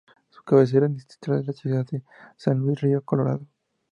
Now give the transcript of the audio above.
Su cabecera distrital es la ciudad de San Luis Río Colorado.